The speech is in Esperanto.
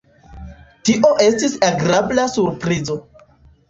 Tio estis agrabla surprizo.